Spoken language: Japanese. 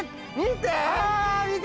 見て！